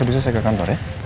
abis itu saya ke kantor ya